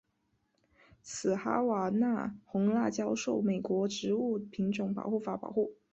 此哈瓦那红辣椒受美国植物品种保护法保护。